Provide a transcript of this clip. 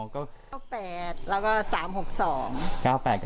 อ๋อก็๙๘แล้วก็๓๖๒